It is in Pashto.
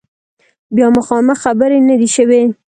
بیا مخامخ خبرې نه دي شوي